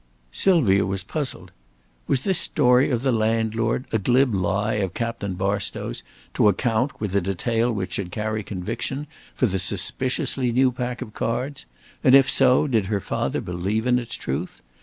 Sylvia was puzzled. Was this story of the landlord a glib lie of Captain Barstow's to account, with a detail which should carry conviction, for the suspiciously new pack of cards? And if so, did her father believe in its truth?